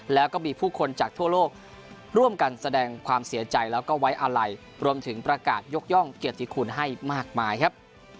แล้วก็มีผู้คนจากทั่วโลกร่วมกันแสดงความเสียใจแล้วก็ไว้อาลัยรวมถึงประกาศยกย่องเกียรติคุณให้มากมายครับ